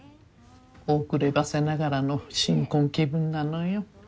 遅ればせながらの新婚気分なのよ。